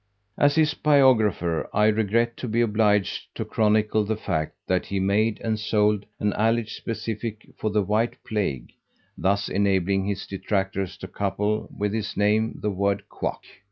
As his biographer I regret to be obliged to chronicle the fact that he made and sold an alleged specific for the White Plague, thus enabling his detractors to couple with his name the word Quack.